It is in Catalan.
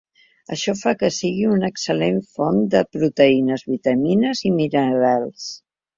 Això fa que sigui una excel·lent font de proteïnes, vitamines i minerals.